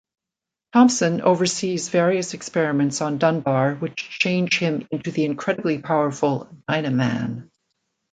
Thompson oversees various experiments on Dunbar which change him into the incredibly powerful Dynaman.